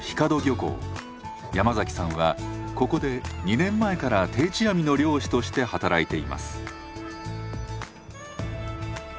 山崎さんはここで２年前から定置網の漁師として働いています。